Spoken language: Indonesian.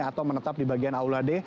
atau menetap di bagian aula d